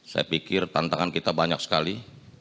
saya pikir tantangan kita banyak sekali